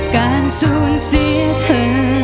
การสูญเสียเธอ